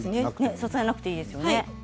支えなくていいんですね。